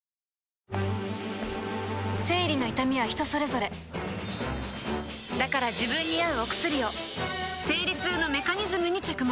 生理の痛みは人それぞれだから自分に合うお薬を生理痛のメカニズムに着目